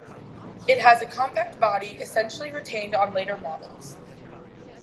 It has a compact body, essentially retained on later models.